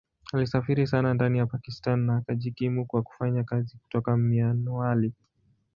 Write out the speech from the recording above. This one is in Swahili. Alisafiri sana ndani ya Pakistan na akajikimu kwa kufanya kazi kutoka Mianwali.